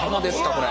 これ。